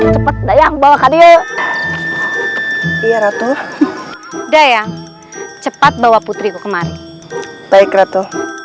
cepat dayang bawa aku yuk iya ratu dayang cepat bawa putriku kemari baik ratu